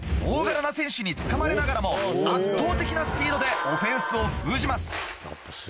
大柄な選手につかまれながらも圧倒的なスピードでオフェンスを封じます。